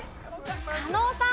加納さん。